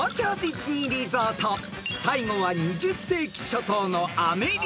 ［最後は２０世紀初頭のアメリカ］